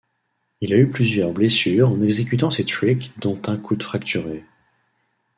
Il a eu plusieurs blessures en exécutant ces tricks dont un coude fracturé.